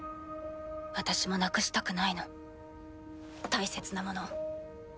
私もなくしたくないの大切なもの。